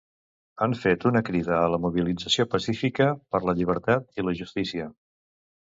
Han fet una crida a la mobilització pacífica per la llibertat i la justícia.